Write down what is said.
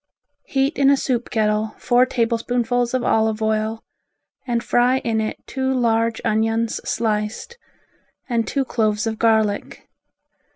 Heat in a soup kettle four tablespoonfuls of olive oil and fry in it two large onions sliced, and two cloves of garlic.